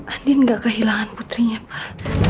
adin gak kehilangan putrinya pak